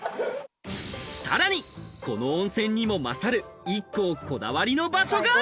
さらに、この温泉にも勝るＩＫＫＯこだわりの場所が。